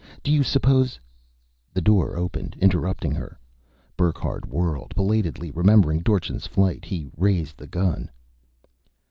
Do you suppose " The door opened, interrupting her. Burckhardt whirled. Belatedly remembering Dorchin's flight, he raised the gun.